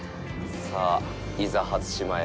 さあ、いざ初島へ。